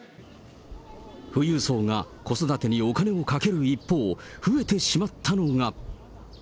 富裕層が子育てにお金をかける一方、増えてしまったのが。